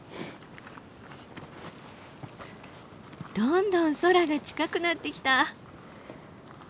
どんどん空が近くなってきた。